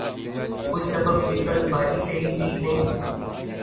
کچھ سبق پیپلزپارٹی سے ہی سیکھ لیں۔